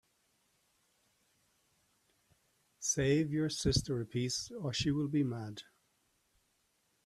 Save you sister a piece, or she will be mad.